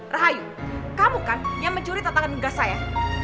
rahayu kamu kan yang mencuri tatangan gas saya